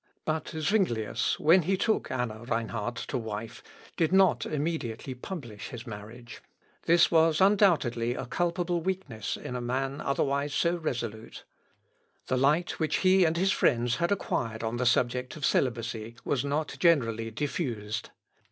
But Zuinglius, when he took Anna Reinhard to wife, did not immediately publish his marriage. This was undoubtedly a culpable weakness in a man otherwise so resolute. The light which he and his friends had acquired on the subject of celibacy was not generally diffused.